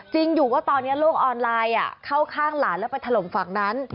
จริงอยู่ว่าตอนนี้โลกออนไลน์เข้าข้างหลานแล้วไปถล่มฝั่งนั้น